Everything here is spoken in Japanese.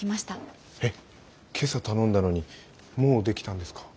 えっ今朝頼んだのにもうできたんですか？